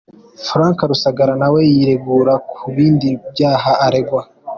Frank Rusagara na we yiregura ku bindi byaha aregwa.